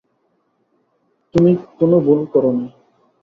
তুমি কোনো ভুল করোনি।